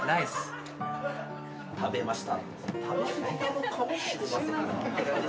食べました。